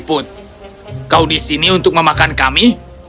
kau datang ke sini untuk makan kami